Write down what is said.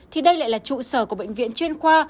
thì đây lại là trụ sở của bệnh viện chuyên khoa